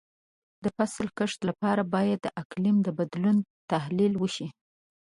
د فصل کښت لپاره باید د اقلیم د بدلون تحلیل وشي.